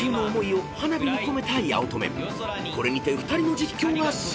［これにて２人の実況が終了］